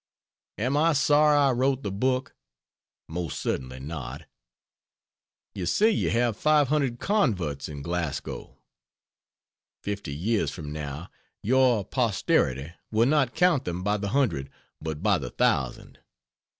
Am I sorry I wrote the book? Most certainly not. You say you have 500 (converts) in Glasgow. Fifty years from now, your posterity will not count them by the hundred, but by the thousand.